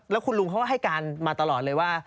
แล้วคุณลุงเขาก็ให้การมาตลอดเลยว่า